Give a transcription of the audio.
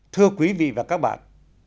thưa quý vị và các bạn